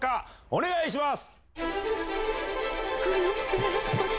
お願いします。